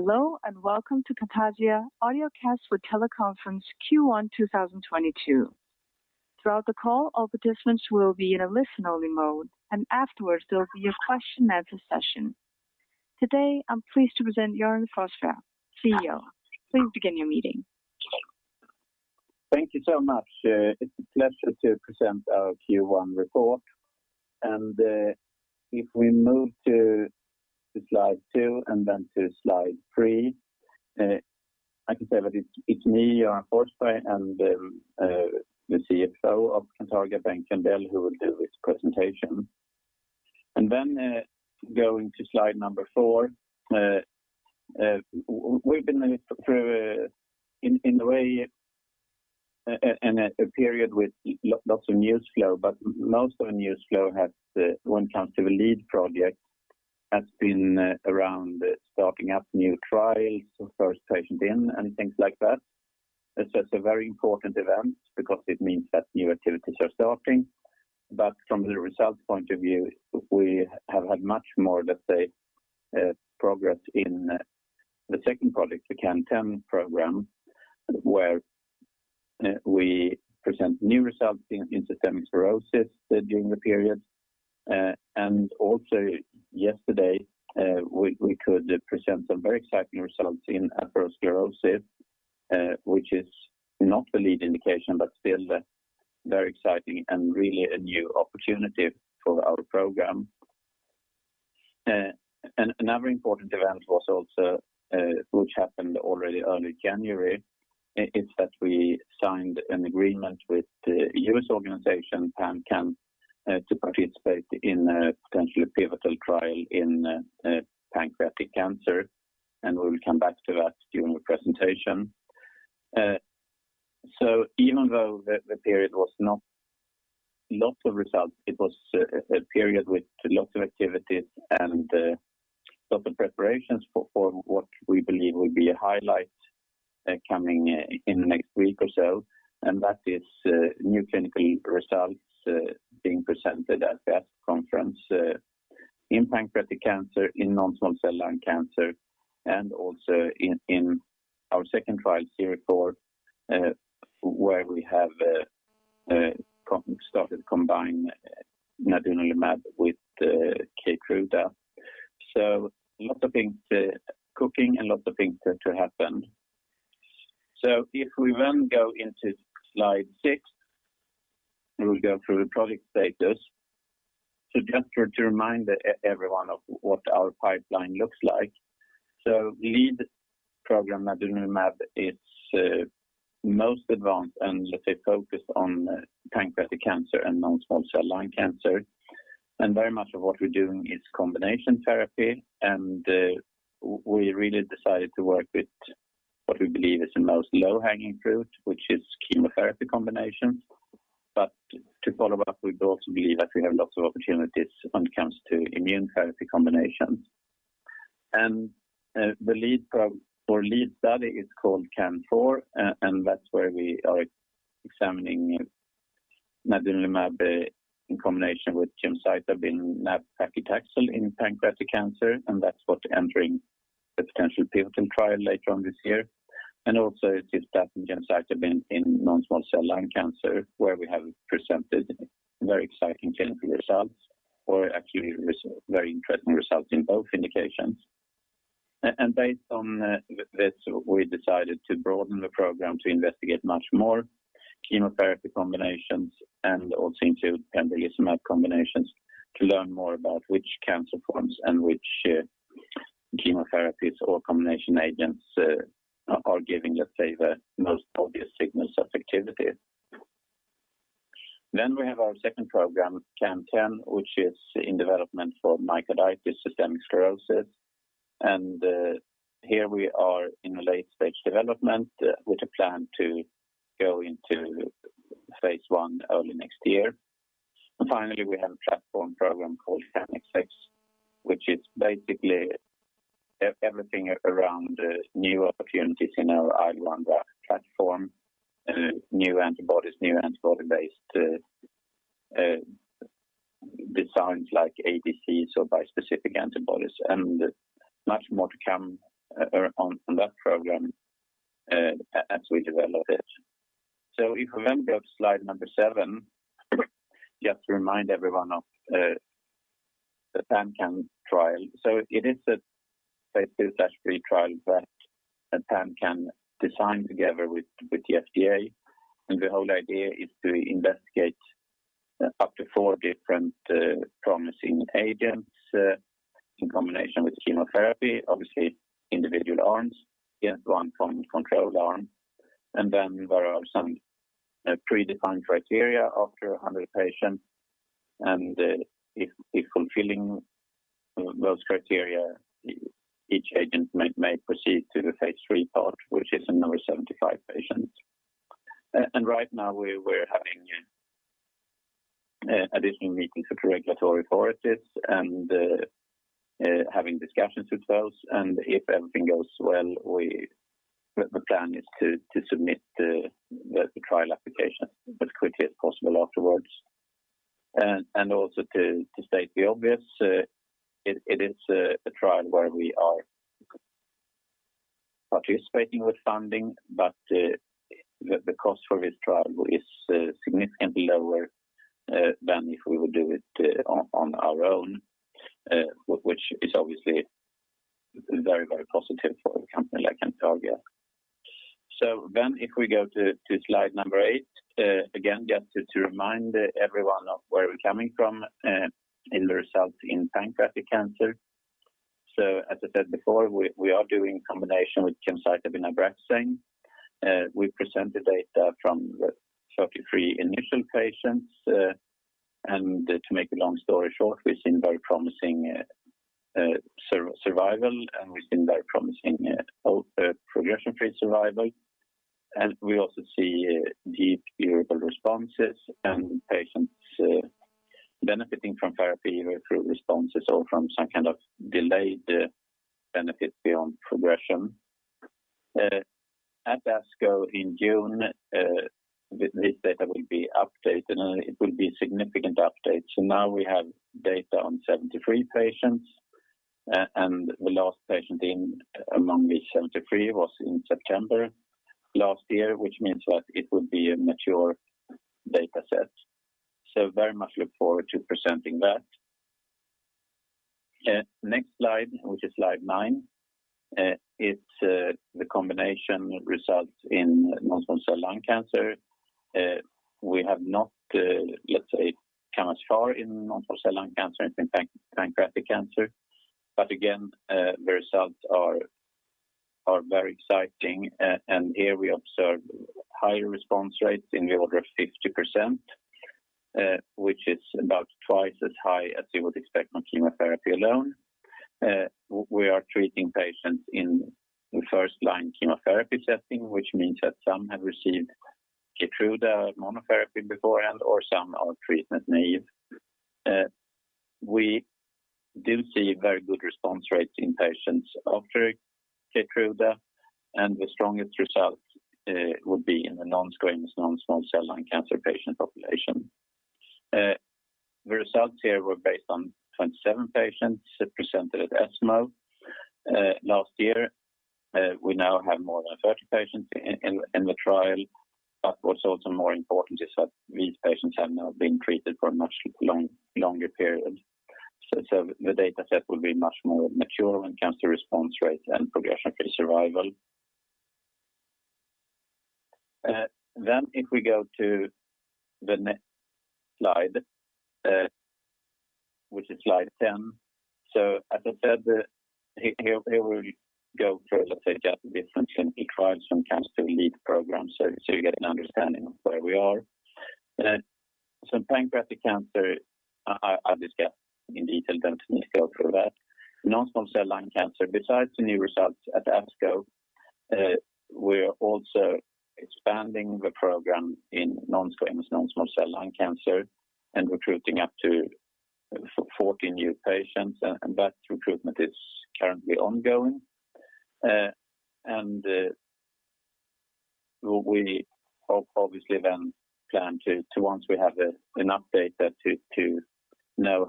Hello, and welcome to Cantargia Audiocast For Teleconference Q1 2022. Throughout the call, all participants will be in a listen-only mode, and afterwards, there'll be a question & answer session. Today, I'm pleased to present Göran Forsberg, CEO. Please begin your meeting. Thank you so much. It's a pleasure to present our Q1 report. If we move to slide two and then to slide three, I can say that it's me, Göran Forsberg, and the CFO of Cantargia, Bengt Jöndell, who will do this presentation. Then, going to slide number four. We've been through, in a way, a period with lots of news flow. But most of the news flow, when it comes to the lead project, has been around starting up new trials, the first patient in, and things like that. It's just a very important event because it means that new activities are starting. From the results point of view, we have had much more, let's say, progress in the second project, the CAN10 program, where we present new results in systemic sclerosis during the period. Yesterday we could present some very exciting results in atherosclerosis, which is not the lead indication, but still very exciting and really a new opportunity for our program. Another important event was also which happened already early January, is that we signed an agreement with the U.S. organization, PanCAN, to participate in a potentially pivotal trial in pancreatic cancer, and we will come back to that during the presentation. Even though the period was not lots of results, it was a period with lots of activities and lot of preparations for what we believe will be a highlight coming in the next week or so. That is new clinical results being presented at that conference in pancreatic cancer, in non-small cell lung cancer, and also in our second trial, CANFOUR, where we have started combining nadunolimab with Keytruda. Lots of things cooking and lots of things to happen. If we then go into slide six, we will go through the product status. Just to remind everyone of what our pipeline looks like. Lead program nadunolimab is most advanced and let's say focused on pancreatic cancer and non-small cell lung cancer. Very much of what we're doing is combination therapy. We really decided to work with what we believe is the most low-hanging fruit, which is chemotherapy combinations. To follow up, we also believe that we have lots of opportunities when it comes to immune therapy combinations. The lead study is called CAN04, and that's where we are examining nadunolimab in combination with gemcitabine nab-paclitaxel in pancreatic cancer, and that's what's entering the potential pivotal trial later on this year. Also it is that gemcitabine in non-small cell lung cancer, where we have presented very exciting clinical results, or actually very interesting results in both indications. Based on this, we decided to broaden the program to investigate much more chemotherapy combinations and also include pembrolizumab combinations to learn more about which cancer forms and which chemotherapies or combination agents are giving, let's say, the most obvious signals of activity. We have our second program, CAN-10, which is in development for myositis systemic sclerosis. Here we are in a late-stage development with a plan to go into phase one early next year. Finally, we have a platform program called CANxx, which is basically everything around new opportunities in our IL1RAP platform, new antibodies, new antibody-based designs like ADCs or bispecific antibodies, and much more to come on that program as we develop it. If we then go to slide number seven, just to remind everyone of the PanCAN trial. It is a phase two/three trial that PanCAN designed together with the FDA. The whole idea is to investigate up to four different promising agents in combination with chemotherapy, obviously individual arms in one controlled arm. Then there are some predefined criteria after 100 patients. If fulfilling those criteria, each agent may proceed to the phase three part, which is in over 75 patients. Right now we're having additional meetings with the regulatory authorities and having discussions with those. If everything goes well, the plan is to submit the trial application as quickly as possible afterwards. Also, to state the obvious, it is a trial where we are participating with funding, but the cost for this trial is significantly lower than if we would do it on our own, which is obviously very positive for a company like Cantargia. If we go to slide number eight, again, just to remind everyone of where we're coming from in the results in pancreatic cancer. As I said before, we are doing combination with gemcitabine and nab-paclitaxel. We presented data from 33 initial patients. To make a long story short, we've seen very promising survival, and we've seen very promising progression-free survival. We also see deep durable responses and patients benefiting from therapy, either through responses or from some kind of delayed benefit beyond progression. At ASCO in June, this data will be updated, and it will be a significant update. Now we have data on 73 patients. The last patient in among these 73 was in September last year, which means that it would be a mature data set. Very much look forward to presenting that. Next slide, which is slide 9. It's the combination results in non-small cell lung cancer. We have not, let's say, come as far in non-small cell lung cancer as in pancreatic cancer. Again, the results are very exciting. Here we observe higher response rates in the order of 50%, which is about twice as high as you would expect on chemotherapy alone. We are treating patients in the first-line chemotherapy setting, which means that some have received Keytruda monotherapy beforehand or some are treatment-naive. We do see very good response rates in patients after Keytruda, and the strongest results would be in the nonsquamous non-small cell lung cancer patient population. The results here were based on 27 patients presented at ESMO last year. We now have more than 30 patients in the trial. What's also more important is that these patients have now been treated for a much longer period. The data set will be much more mature when it comes to response rates and progression-free survival. If we go to the next slide, which is slide 10. As I said, here we go through, let's say, just the different clinical trials from cancer lead programs. You get an understanding of where we are. Pancreatic cancer, I discussed in detail, don't need to go through that. Non-small cell lung cancer, besides the new results at ASCO, we are also expanding the program in non-squamous non-small cell lung cancer and recruiting up to 14 new patients. And that recruitment is currently ongoing. We obviously plan to, once we have enough data to know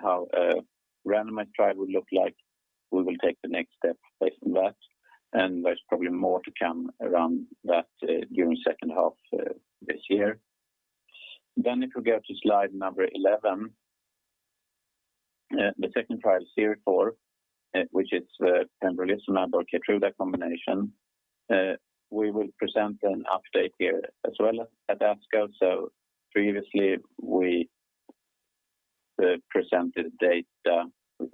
how a randomized trial would look like, we will take the next step based on that. There's probably more to come around that during second half this year. If we go to slide 11. The second trial, CIRIFOUR, which is pembrolizumab or Keytruda combination. We will present an update here as well at ASCO. Previously, we presented data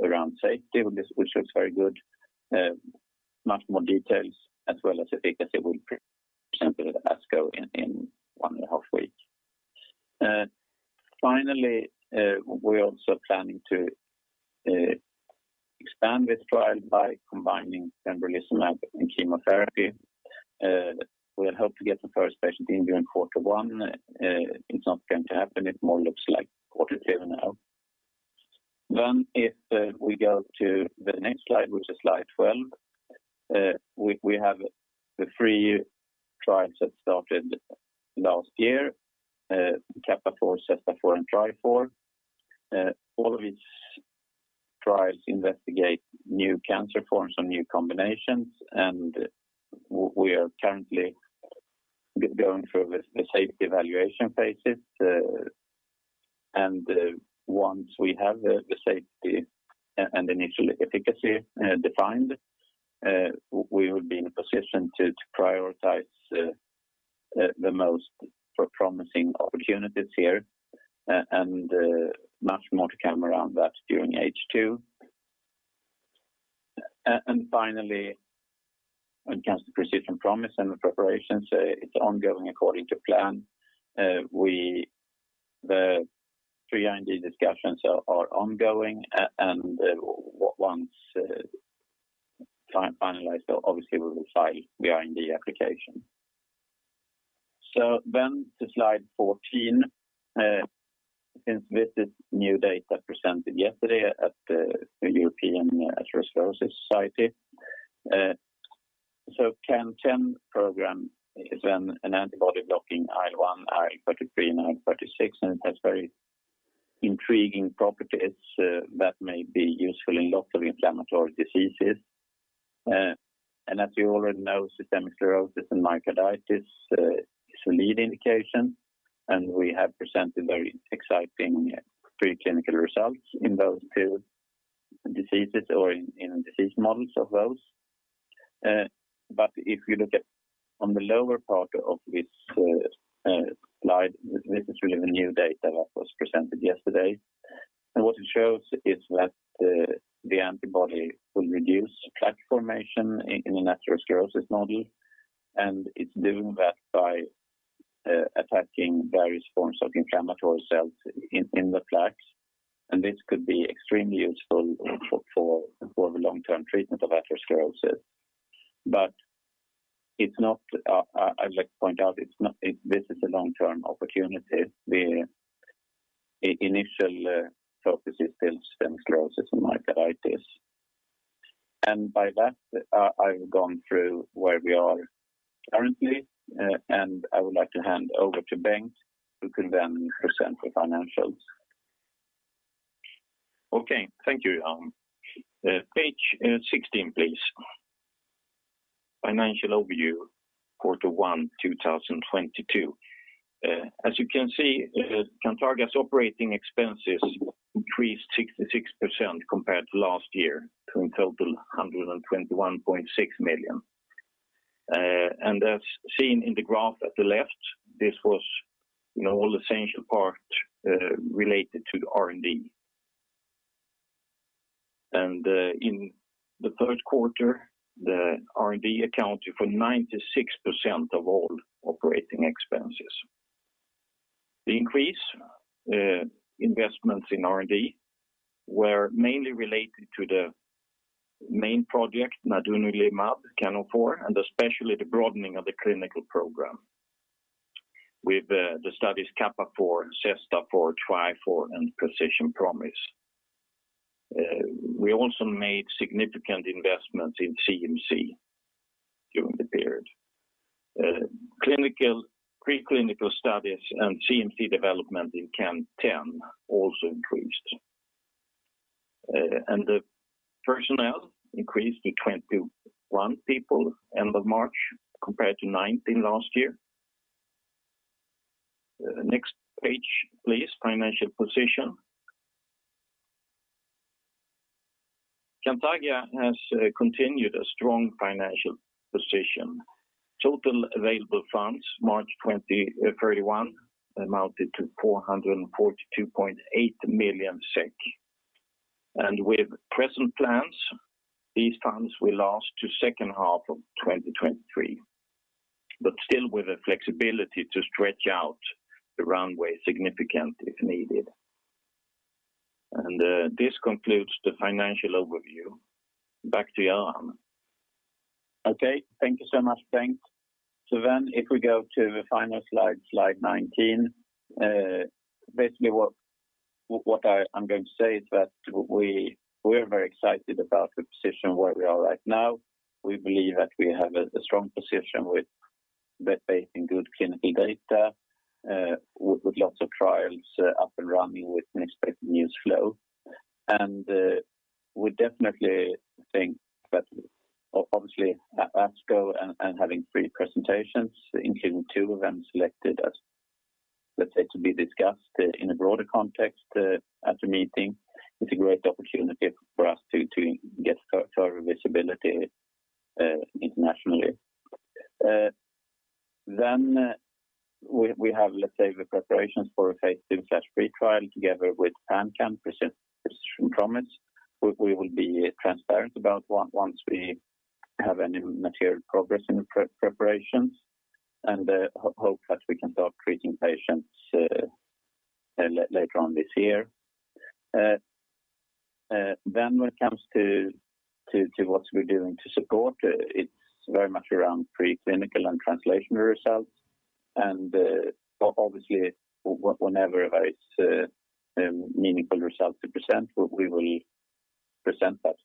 around safety, which looks very good. Much more details as well as efficacy we'll present at ASCO in one and a half weeks. Finally, we're also planning to expand this trial by combining pembrolizumab and chemotherapy. We had hoped to get the first patient in during quarter one. It's not going to happen. It more looks like quarter two now. If we go to the next slide, which is slide 12. We have the three trials that started last year, CAPAFOUR, CESTAFOUR, and TRIFOUR. All of these trials investigate new cancer forms and new combinations, and we are currently going through the safety evaluation phases. Once we have the safety and initial efficacy defined, we will be in a position to prioritize the most promising opportunities here. Much more to come around that during H2. Finally, when it comes to Precision Promise and the preparation, it's ongoing according to plan. The IND discussions are ongoing. Once we finalize, obviously we will file the IND application. To slide 14. Since this is new data presented yesterday at the European Atherosclerosis Society, the CAN-10 program is an antibody blocking IL-1, IL-33 and IL-36, and it has very intriguing properties that may be useful in lots of inflammatory diseases. As you already know, systemic sclerosis and myocarditis is a lead indication, and we have presented very exciting preclinical results in those two diseases or in disease models of those. If you look at on the lower part of this slide, this is really the new data that was presented yesterday. What it shows is that the antibody will reduce plaque formation in the atherosclerosis model. It's doing that by attacking various forms of inflammatory cells in the plaques, and this could be extremely useful for the long-term treatment of atherosclerosis. It's not. I'd like to point out, it's not. This is a long-term opportunity. The initial focus is still systemic sclerosis and myocarditis. By that, I've gone through where we are currently, and I would like to hand over to Bengt, who can then present the financials. Okay, thank you, Göran. Page sixteen, please. Financial overview, Q1 2022. As you can see, Cantargia's operating expenses increased 66% compared to last year to a total 121.6 million. As seen in the graph at the left, this was, you know, all essential part related to the R&D. In the third quarter, the R&D accounted for 96% of all operating expenses. The increase investments in R&D were mainly related to the main project, nadunolimab CAN04, and especially the broadening of the clinical program with the studies CAPAFOUR, CESTAFOUR, TRIFOUR, and Precision Promise. We also made significant investments in CMC during the period. Clinical, preclinical studies and CMC development in CAN10 also increased. The personnel increased to 21 people end of March compared to 19 last year. Next page, please. Financial position. Cantargia has continued a strong financial position. Total available funds March 31 amounted to 442.8 million SEK. With present plans, these funds will last to second half of 2023, but still with the flexibility to stretch out the runway significantly if needed. This concludes the financial overview. Back to Jan. Okay. Thank you so much, Bengt. If we go to the final slide 19. Basically what I'm going to say is that we're very excited about the position where we are right now. We believe that we have a strong position with the base in good clinical data, with lots of trials up and running with an expected news flow. We definitely think that obviously ASCO and having three presentations, including two of them selected as, let's say, to be discussed in a broader context at the meeting, it's a great opportunity for us to get our visibility internationally. We have, let's say, the preparations for a phase II/III trial together with PanCAN Precision Promise. We will be transparent about once we have any material progress in the preparations and hope that we can start treating patients later on this year. Then when it comes to what we're doing to support, it's very much around preclinical and translational results. Obviously, whenever there is meaningful results to present, we will present that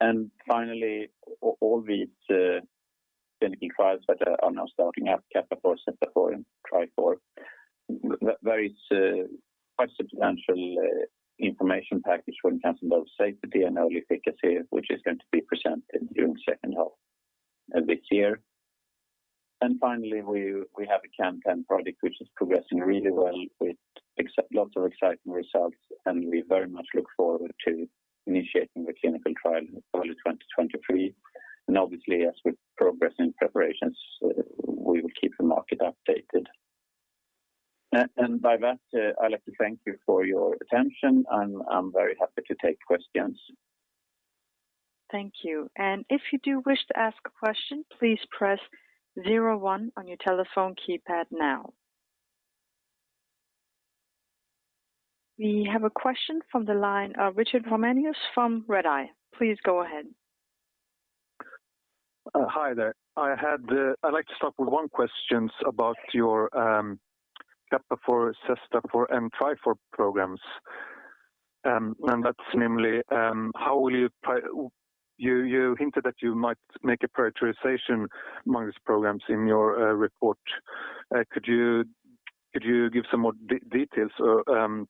to the market. Finally, all these clinical trials that are now starting up, CAPAFOUR, CESTAFOUR, and TRIFOUR, very quite substantial information package when it comes to both safety and early efficacy, which is going to be presented during second half of this year. Finally, we have a CAN-10, product which is progressing really well with lots of exciting results, and we very much look forward to initiating the clinical trial in early 2023. Obviously, as we progress in preparations, we will keep the market updated. By that, I'd like to thank you for your attention, and I'm very happy to take questions. Thank you. If you do wish to ask a question, please press zero one on your telephone keypad now. We have a question from the line of Richard Ramanius from Redeye. Please go ahead. Hi there. I'd like to start with one question about your CAPAFOUR, CESTAFOUR and TRIFOUR programs. And that's namely how will you prioritize. You hinted that you might make a prioritization among these programs in your report. Could you give some more details or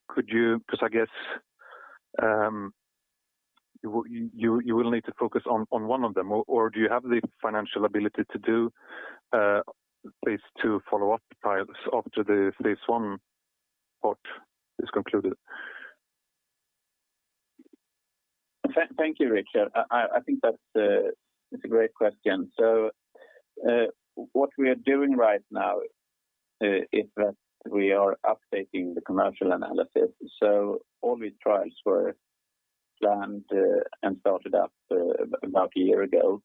could you. Because I guess you will need to focus on one of them or do you have the financial ability to do these two follow-up trials after the phase I part is concluded? Thank you, Richard. I think that's a great question. What we are doing right now is that we are updating the commercial analysis. All these trials were planned and started up about a year ago.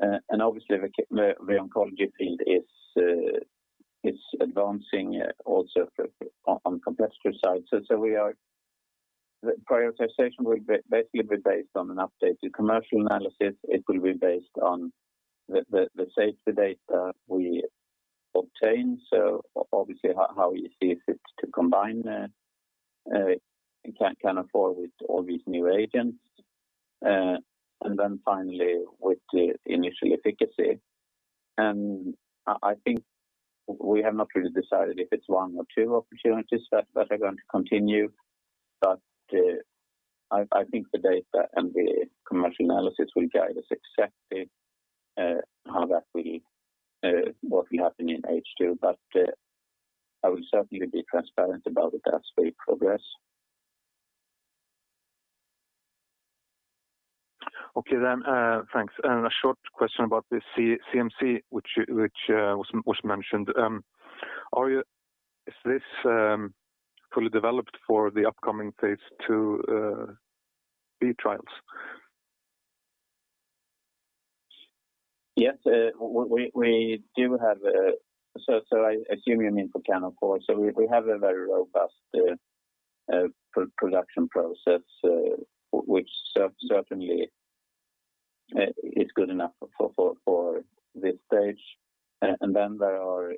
And obviously the oncology field is advancing also for, on competitor side. The prioritization will basically be based on an updated commercial analysis. It will be based on the safety data we obtain, obviously how easy is it to combine the CAN04 with all these new agents, and then finally with the initial efficacy. I think we have not really decided if it's one or two opportunities that are going to continue. I think the data and the commercial analysis will guide us exactly what will happen in H2. I will certainly be transparent about that as we progress. Okay, thanks. A short question about the CMC which was mentioned. Is this fully developed for the upcoming phase IIb trials? Yes. We do have. I assume you mean for CAN04. We have a very robust pre-production process, which certainly is good enough for this stage. Then there are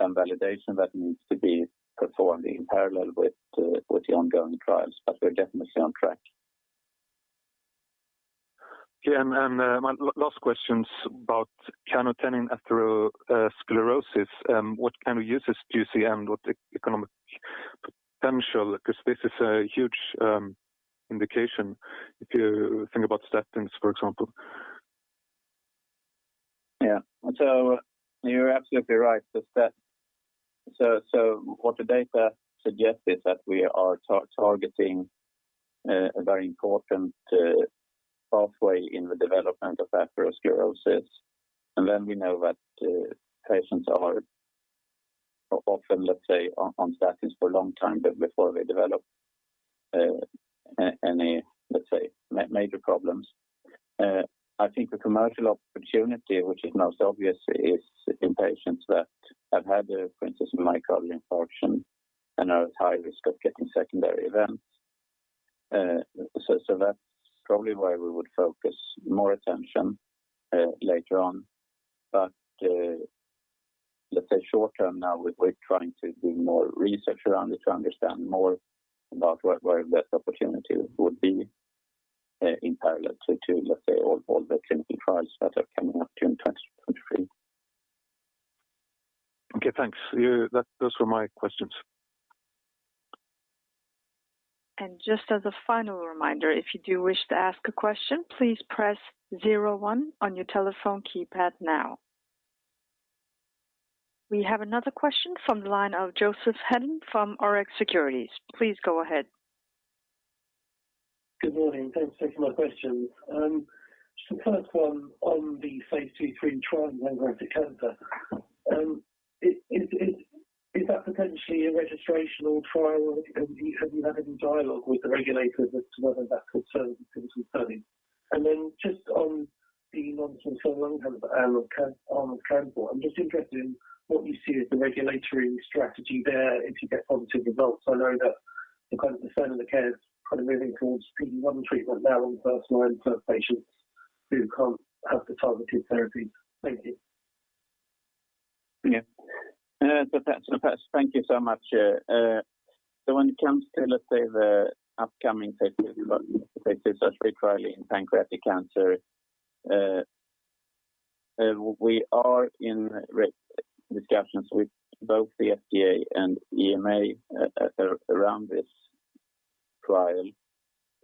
some validation that needs to be performed in parallel with the ongoing trials, but we're definitely on track. My last question's about CAN10 atherosclerosis. What kind of uses do you see and what the economic potential, 'cause this is a huge indication if you think about statins, for example. Yeah. You're absolutely right. What the data suggests is that we are targeting a very important pathway in the development of atherosclerosis. We know that patients are often, let's say, on statins for a long time before they develop any major problems. I think the commercial opportunity which is most obvious is in patients that have had, for instance, myocardial infarction and are at high risk of getting secondary events. That's probably where we would focus more attention later on. Let's say short term now we're trying to do more research around it to understand more about where that opportunity would be in parallel to all the clinical trials that are coming up during 2023. Okay. Thanks. Those were my questions. Just as a final reminder, if you do wish to ask a question, please press zero one on your telephone keypad now. We have another question from the line of Joseph Hedden from Rx Securities. Please go ahead. Good morning. Thanks for taking my questions. The first one on the phase II-III trial in pancreatic cancer. Is that potentially a registrational trial? Have you had any dialogue with the regulators as to whether that could serve the clinical study? Just on the non-small cell lung cancer, on CIRIFOUR, I'm just interested in what you see as the regulatory strategy there if you get positive results. I know that the kind of standard of care is kind of moving towards PD-1 treatment now in first-line for patients who can't have the targeted therapies. Thank you. Yeah. So that's. Thank you so much. When it comes to, let's say, the upcoming phase two stage three trial in pancreatic cancer, we are in re-discussions with both the FDA and EMA around this trial.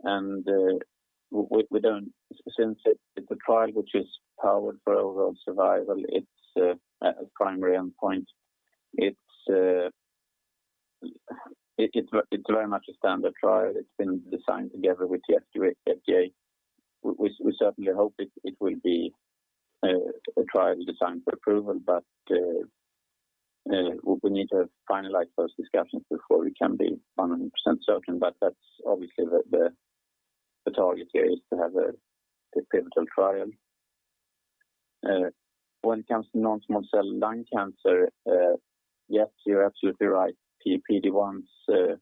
Since it is a trial which is powered for overall survival, it's primary endpoint. It's very much a standard trial. It's been designed together with the FDA. We certainly hope it will be a trial designed for approval, but we need to finalize those discussions before we can be 100% certain. That's obviously the target here is to have a pivotal trial. When it comes to non-small cell lung cancer, yes, you're absolutely right. PD-1s,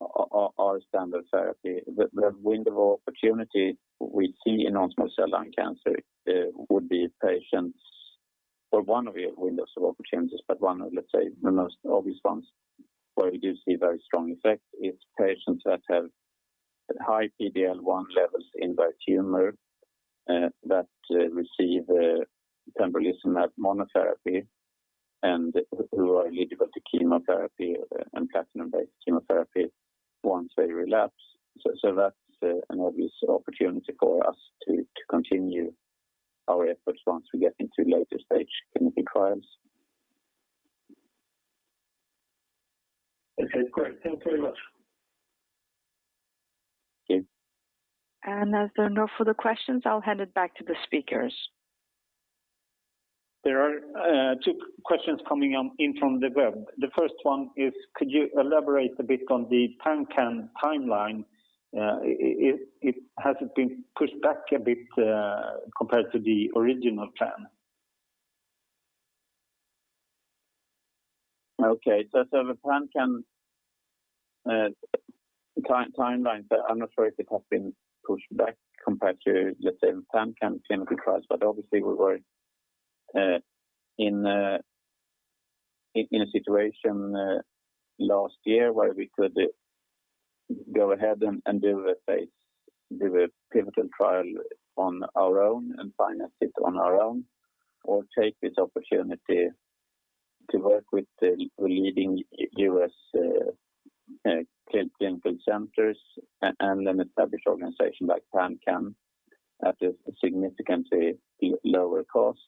our standard therapy. The window of opportunity we see in non-small cell lung cancer would be patients, or one of the windows of opportunities. Let's say, the most obvious ones where we do see very strong effect. It's patients that have high PDL1 levels in their tumor that receive pembrolizumab monotherapy and who are eligible to chemotherapy and platinum-based chemotherapy once they relapse. That's an obvious opportunity for us to continue our efforts once we get into later stage clinical trials. Okay, great. Thank you very much. Thank you. As there are no further questions, I'll hand it back to the speakers. There are two questions coming in from the web. The first one is could you elaborate a bit on the PanCAN timeline? It has been pushed back a bit compared to the original plan. Okay. The PanCAN timeline, but I'm not sure if it has been pushed back compared to, let's say, the PanCAN clinical trials. Obviously we were in a situation last year where we could go ahead and do a pivotal trial on our own and finance it on our own or take this opportunity to work with the leading US clinical centers and an established organization like PanCAN at a significantly lower cost.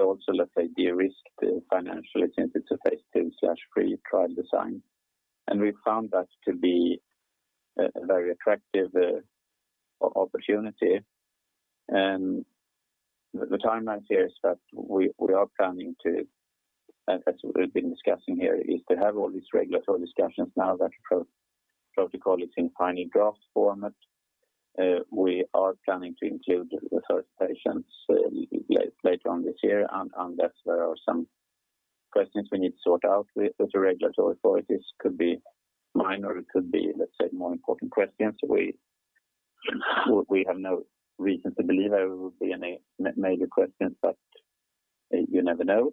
Also let's say, de-risk it financially since it's a phase II/III trial design. We found that to be a very attractive opportunity. The timelines here is that we are planning to, as we've been discussing here, is to have all these regulatory discussions now that protocol is in final draft format. We are planning to include the first patients later on this year. That's where some questions we need to sort out with the regulatory authorities could be minor. It could be, let's say, more important questions. We have no reason to believe there will be any major questions, but you never know.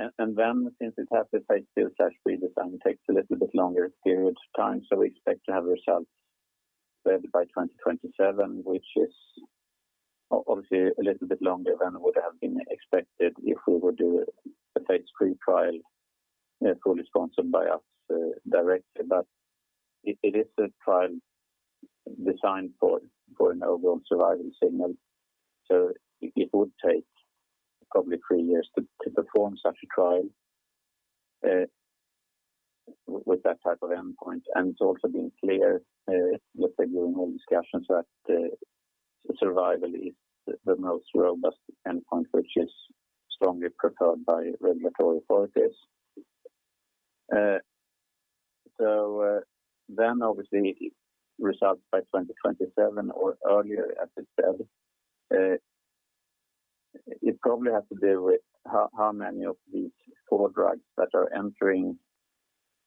Since it has a phase II/III design, it takes a little bit longer period of time. We expect to have results ready by 2027, which is obviously a little bit longer than would have been expected if we would do a phase III trial fully sponsored by us directly. It is a trial designed for an overall survival signal. It would take probably three years to perform such a trial with that type of endpoint. It's also been clear, let's say during all discussions that survival is the most robust endpoint, which is strongly preferred by regulatory authorities. Obviously results by 2027 or earlier, as I said, it probably has to do with how many of these four drugs that are entering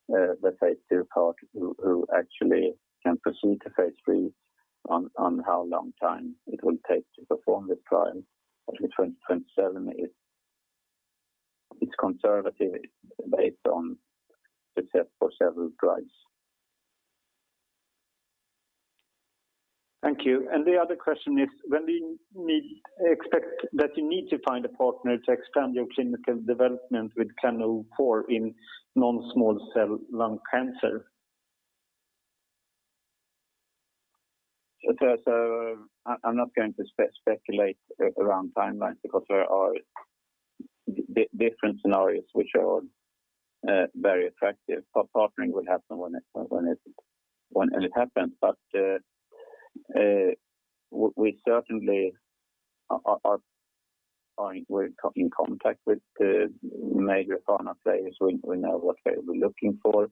the phase II part who actually can proceed to phase III on how long time it will take to perform the trial. In 2027 it's conservative based on the test for several drugs. Thank you. The other question is, when do you expect that you need to find a partner to expand your clinical development with CAN04 in non-small cell lung cancer? I'm not going to speculate around timelines because there are different scenarios which are very attractive. Partnering will happen when it happens. We certainly are fine. We're in contact with the major partner players. We know what they'll be looking for.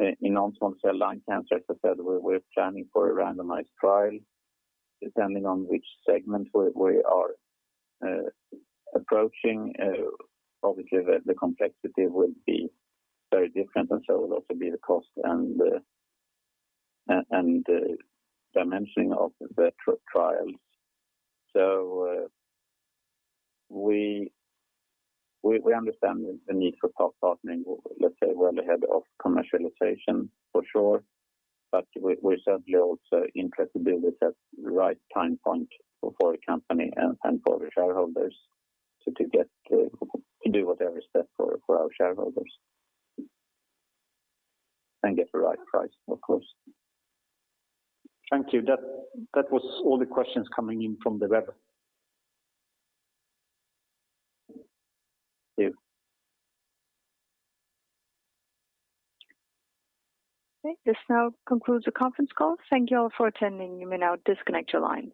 In non-small cell lung cancer, as I said, we're planning for a randomized trial depending on which segment we are approaching. Obviously the complexity will be very different and so will also be the cost and the dimensioning of the trials. We understand the need for partnering, let's say, well ahead of commercialization for sure. We're certainly also interested to do this at the right time point for a company and for the shareholders to get to do what they expect for our shareholders. Get the right price, of course. Thank you. That was all the questions coming in from the web. Thank you. Okay. This now concludes the conference call. Thank you all for attending. You may now disconnect your line.